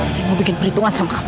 saya mau bikin perhitungan sama kamu